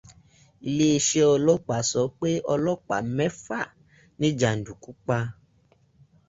Iléèṣẹ́ ọlapàá sọ pé Ọlọ́pàá mẹ́fà ni jàndùkú pa.